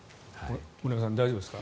森山さん、大丈夫ですか？